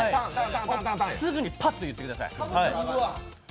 すぐにパッと言ってください。